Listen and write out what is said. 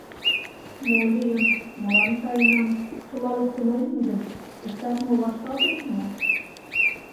— Мо лийын, молан каенам, чыла луктын ойлем гын, иктаж-мо вашталтеш мо?